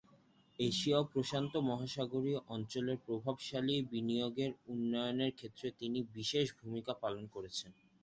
Asia ও প্রশান্ত মহাসাগরীয় অঞ্চলের প্রভাবশালী বিনিয়োগের উন্নয়নের ক্ষেত্রে তিনি বিশেষ ভূমিকা পালন করেছেন।